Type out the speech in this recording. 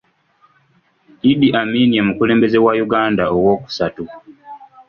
Idi Amin ye mukulembeze wa Uganda owokusatu.